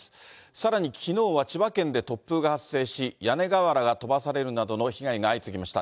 さらにきのうは千葉県で突風が発生し、屋根瓦が飛ばされるなどの被害が相次ぎました。